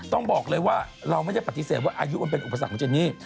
ต้องบอกเลยว่าเราไม่ได้ปฏิเสธว่าอายุมันเป็นอุปสรรคของเจนนี่